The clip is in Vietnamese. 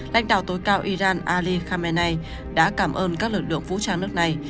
lãnh đạo tối cao iran ali khamenei đã cảm ơn các lực lượng vũ trang nước này